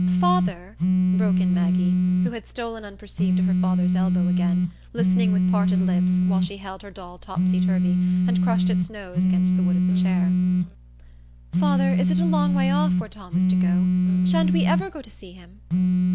"Father," broke in Maggie, who had stolen unperceived to her father's elbow again, listening with parted lips, while she held her doll topsy turvy, and crushed its nose against the wood of the chair,—"father, is it a long way off where Tom is to go? Sha'n't we ever go to see him?"